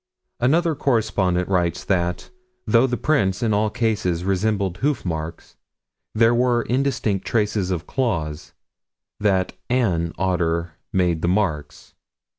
Another correspondent writes that, though the prints in all cases resembled hoof marks, there were indistinct traces of claws that "an" otter had made the marks.